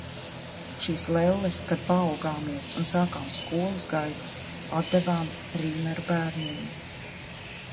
Šīs lelles, kad paaugāmies un sākām skolas gaitas atdevām Rīmeru bērniem.